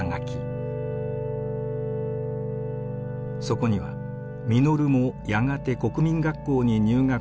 そこには「実もやがて国民学校に入学する。